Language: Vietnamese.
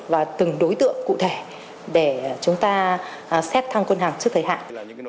và từng đối tượng cụ thể để chúng ta xét thăng quân hàng trước thời hạn